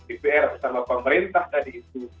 ipr sama pemerintah tadi itu